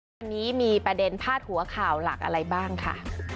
วันนี้มีประเด็นพาดหัวข่าวหลักอะไรบ้างค่ะ